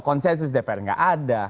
konsensus dpr nggak ada